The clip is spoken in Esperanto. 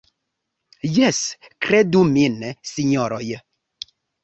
Jes, kredu min, sinjoroj.